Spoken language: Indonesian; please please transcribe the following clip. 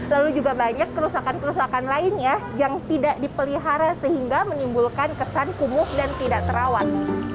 lalu juga banyak kerusakan kerusakan lainnya yang tidak dipelihara sehingga menimbulkan kesan kumuh dan tidak terawat